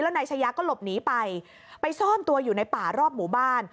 นายชายาก็หลบหนีไปไปซ่อนตัวอยู่ในป่ารอบหมู่บ้าน